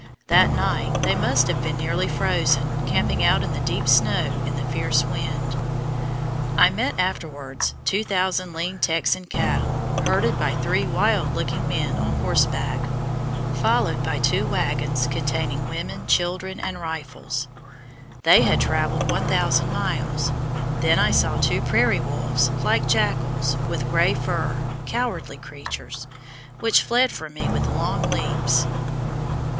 That night they must have been nearly frozen, camping out in the deep snow in the fierce wind. I met afterwards 2,000 lean Texan cattle, herded by three wild looking men on horseback, followed by two wagons containing women, children, and rifles. They had traveled 1,000 miles. Then I saw two prairie wolves, like jackals, with gray fur, cowardly creatures, which fled from me with long leaps.